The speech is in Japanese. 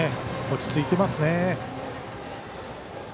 落ち着いていますね。